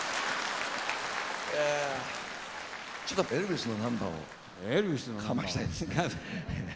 ちょっとエルビスのナンバ−をかましたいですね。